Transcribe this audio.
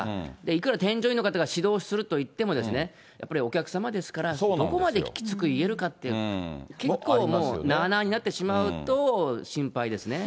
いくら添乗員の方が指導するといってもですね、やっぱりお客様ですから、どこまできつく言えるかって、結構もう、なあなあになってしまうと心配ですね。